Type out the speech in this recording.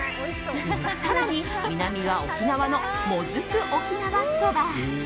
更に、南は沖縄のもずく沖縄そば。